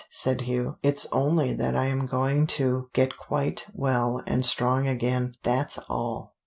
said Hugh. "It's only that I am going to get quite well and strong again. That's all."